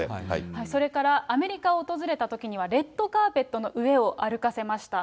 それからアメリカを訪れたときには、レッドカーペットの上を歩かせました。